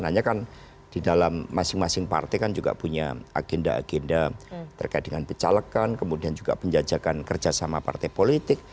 hanya kan di dalam masing masing partai kan juga punya agenda agenda terkait dengan pecalekan kemudian juga penjajakan kerjasama partai politik